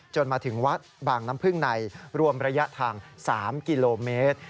มาถึงวัดบางน้ำพึ่งในรวมระยะทาง๓กิโลเมตร